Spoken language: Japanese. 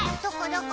どこ？